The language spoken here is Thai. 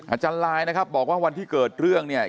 อาจารย์ลายนะครับบอกว่าวันที่เกิดเรื่องเนี่ย